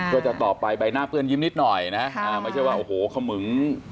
ก็จะต่อไปใบหน้าเปื้อนยิ้มนิดหน่อยนะไม่ใช่ว่าโอ้โหขมึง